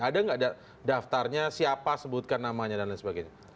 ada nggak daftarnya siapa sebutkan namanya dan lain sebagainya